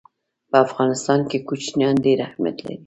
په افغانستان کې کوچیان ډېر اهمیت لري.